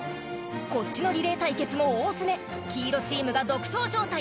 こっちのリレー対決も大詰め黄色チームが独走状態